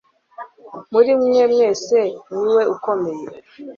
muri mwe mwese ni we ukomeye